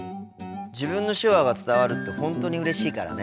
自分の手話が伝わるって本当にうれしいからね。